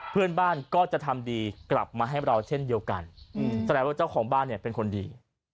เพื่อนบ้านก็จะทำดีกลับมาให้เราเช่นเดียวกันแสดงว่าเจ้าของบ้านเนี่ยเป็นคนดี